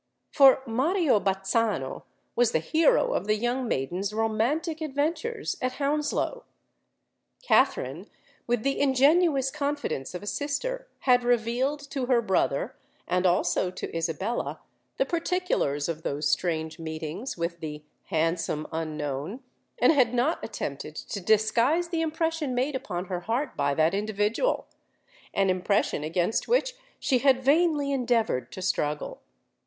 For Mario Bazzano was the hero of the young maiden's romantic adventures at Hounslow! Katherine, with the ingenuous confidence of a sister, had revealed to her brother, and also to Isabella, the particulars of those strange meetings with the "handsome unknown," and had not attempted to disguise the impression made upon her heart by that individual,—an impression against which she had vainly endeavoured to struggle.